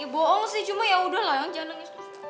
ya bohong sih cuma yaudah lah yang jangan nangis terus